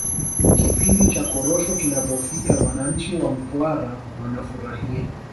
kipindi cha korosho kinapofika wananchi wa mtwara wanafurahia